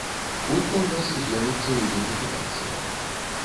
Хутка ў нас з'явіцца ідэнтыфікацыя.